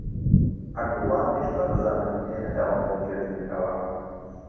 عەبدوڵڵا هێشتا ڕەزامەندیی پێ نەداوم بۆ کردنی ئەوە.